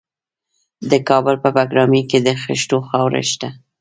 د کابل په بګرامي کې د خښتو خاوره شته.